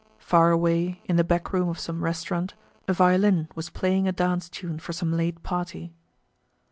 Far away, in the back room of some restaurant, a violin was playing a dance tune for some late party.